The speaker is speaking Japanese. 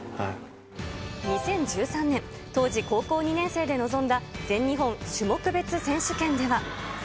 ２０１３年、当時高校２年生で臨んだ全日本種目別選手権では。